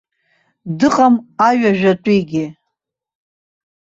Дыҟам аҩажәатәигьы.